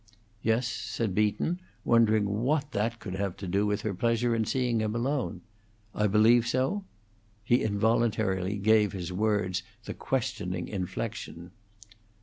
"Yes," said Beaton, wondering what that could have to do with her pleasure in seeing him alone. "I believe so?" He involuntarily gave his words the questioning inflection.